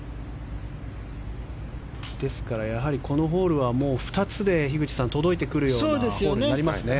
ですから、このホールは２つで樋口さん、届いてくるようなホールになりますね。